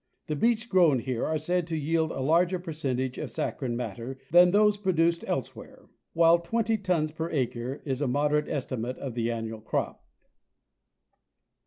The beets grown here are said to yield a larger percentage of saccharine matter than those produced elsewhere ; while 20 tons per acre is a moderate estimate of the annual crop.